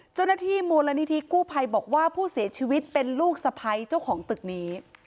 เจ้าหน้าที่มูลนิธิกู้ภัยบอกว่าผู้เสียชีวิตเป็นลูกสะพ้ายเจ้าของตึกนี้